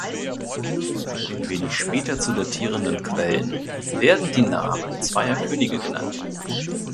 In wenig später zu datierenden Quellen werden die Namen zweier Könige genannt.